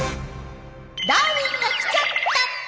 ダーウィンが来ちゃった！